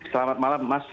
selamat malam mas